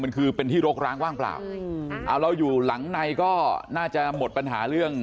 มันคือเป็นที่รกร้างว่างเปล่าเอาเราอยู่หลังในก็น่าจะหมดปัญหาเรื่อง